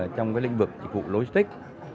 trong lĩnh vực dịch vụ logistics